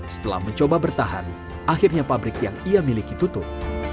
setelah mencoba bertahan akhirnya pabrik yang ia miliki tutup